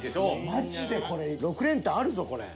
マジでこれ６連単あるぞこれ。